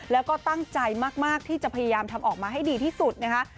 แล้วก็ตั้งใจมากที่จะพยายามทำออกมาให้ดีที่สุดนะคะ